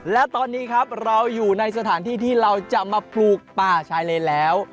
และตอนนี้ครับเราอยู่ในสถานที่ที่เราจะมาปลูกป่าชายเลนแล้ว